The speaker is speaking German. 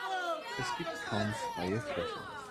Es gibt kaum freie Flächen.